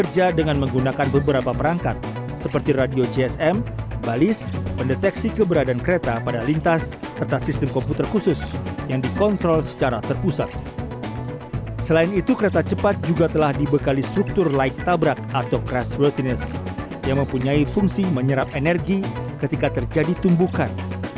yang mempunyai fungsi menyerap energi ketika terjadi tumbukan